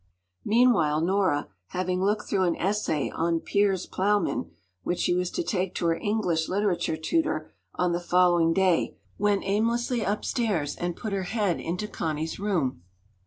” Meanwhile Nora, having looked through an essay on “Piers Plowman,” which she was to take to her English Literature tutor on the following day, went aimlessly upstairs and put her head into Connie’s room.